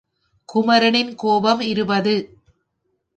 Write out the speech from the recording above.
குமரனின் கோபம் இருபது.